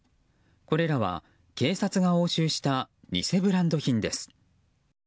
これらは警察が押収した偽ブランド品です。